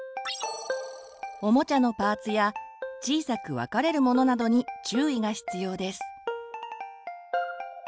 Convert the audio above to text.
おもちゃのパーツや小さく分かれるものなどに注意が必要です。